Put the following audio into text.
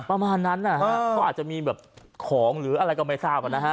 ประมาณนั้นนะฮะเขาอาจจะมีแบบของหรืออะไรก็ไม่ทราบนะฮะ